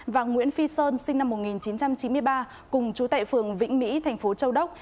và nguyễn phi sơn sinh năm một nghìn chín trăm chín mươi ba cùng chú tại phường vĩnh mỹ thành phố châu đốc